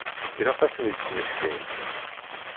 Ilaq ad ten-id-smektint.